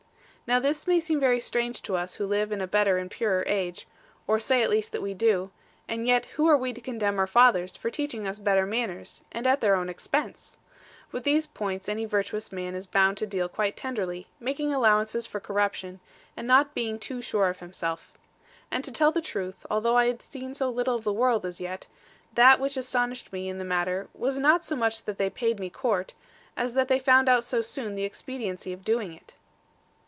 Now this may seem very strange to us who live in a better and purer age or say at least that we do so and yet who are we to condemn our fathers for teaching us better manners, and at their own expense? With these points any virtuous man is bound to deal quite tenderly, making allowance for corruption, and not being too sure of himself. And to tell the truth, although I had seen so little of the world as yet, that which astonished me in the matter, was not so much that they paid me court, as that they found out so soon the expediency of doing it.